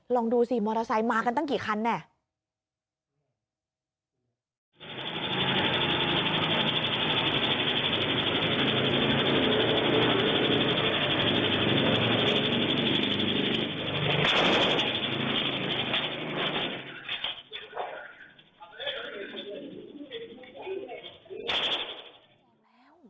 ลองดูสิมอเตอร์ไซค์มากันตั้งกี่คันแน่